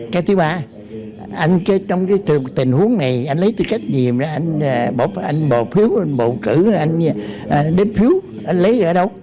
cái thứ ba anh trong cái tình huống này anh lấy tư cách gì mà anh bầu phiếu bầu cử anh đến phiếu anh lấy ở đâu